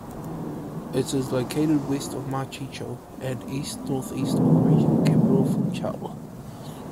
It is located west of Machico and east-northeast of the regional capital of Funchal.